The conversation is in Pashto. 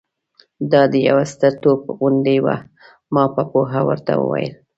دا د یوه ستر توپ توغندۍ وه. ما په پوهه ورته وویل.